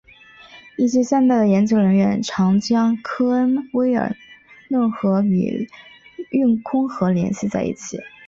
一些现代的研究人员常将科恩威尔嫩河与育空河联系在一起。